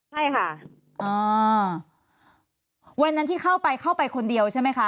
ใช่ค่ะอ่าวันนั้นที่เข้าไปเข้าไปคนเดียวใช่ไหมคะ